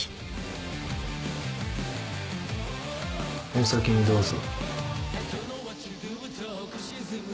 お先にどうぞ。